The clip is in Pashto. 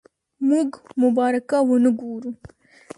موږ مبارکه ونه وګورو.